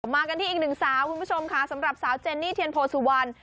มากันที่อีกหนึ่งสาวคุณผู้ชมค่ะสำหรับสาวเจนนี่เทียนโพสุวรรณ